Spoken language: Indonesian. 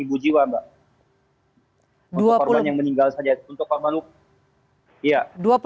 untuk korban yang meninggal saja